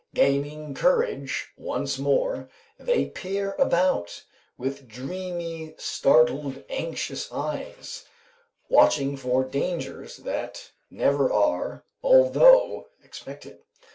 Gaining courage once more, they peer about, with dreamy, startled, anxious eyes, watching for dangers that never are, although expected.